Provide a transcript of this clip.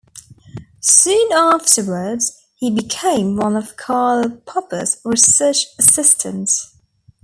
Soon afterwards he became one of Karl Popper's research assistants.